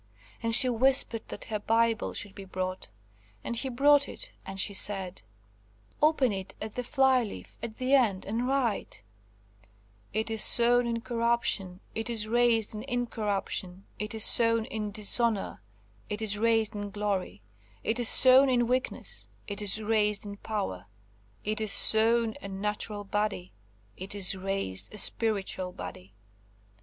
And she whispered that her Bible should be brought. And he brought it, and she said, "Open it at the fly leaf at the end, and write, 'It is sown in corruption, it is raised in incorruption: it is sown in dishonour, it is raised in glory: it is sown in weakness, it is raised in power: it is sown a natural body, it is raised a spiritual body.'"